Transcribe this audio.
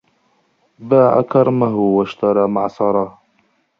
باع كرمه واشترى معصرة